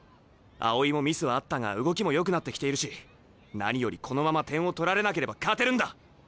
青井もミスはあったが動きもよくなってきているし何よりこのまま点を取られなければ勝てるんだ！